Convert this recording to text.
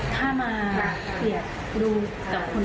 ถ้ามาเหลียดดูแต่คนอื่น